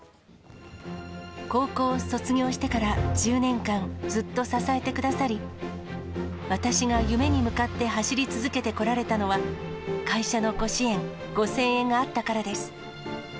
高校を卒業してから１０年間ずっと支えてくださり、私が夢に向かって走り続けてこられたのは、会社のご支援、ご声援があったからです。